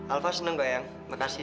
alva seneng kak yang makasih